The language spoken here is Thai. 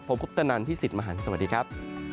ผมคุปตะนันพี่สิทธิ์มหันฯสวัสดีครับ